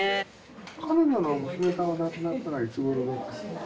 彼女の娘さんが亡くなったのはいつごろだったんですか？